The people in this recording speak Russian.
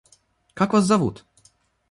Как вас зовут?